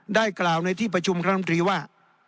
ได้กล่าวในที่ประชุมคณะมตรีว่า